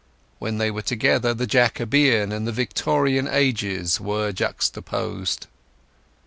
When they were together the Jacobean and the Victorian ages were juxtaposed.